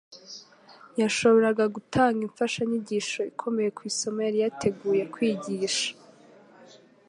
yashoboraga gutanga imfashanyigisho ikomeye ku isomo yari yiteguye kwigisha.